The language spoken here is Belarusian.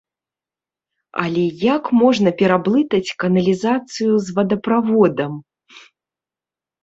Але як можна пераблытаць каналізацыю з вадаправодам?